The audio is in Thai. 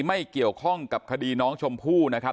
ไม่เกี่ยวข้องกับคดีน้องชมพู่นะครับ